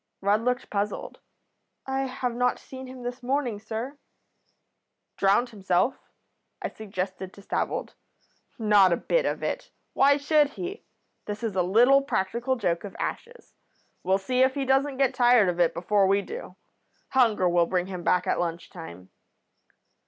"Rudd looked puzzled. 'I have not seen him this morning, sir.' "'Drowned himself?' I suggested to Stavold. "'Not a bit of it. Why should he? This is a little practical joke of Ash's. We'll see if he doesn't get tired of it before we do. Hunger will bring him back at lunch time.'